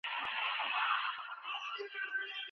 پلاستیکي جراحي چيري ترسره کیږي؟